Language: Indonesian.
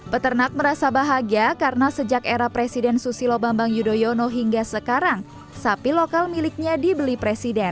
peternak merasa bahagia karena sejak era presiden susilo bambang yudhoyono hingga sekarang sapi lokal miliknya dibeli presiden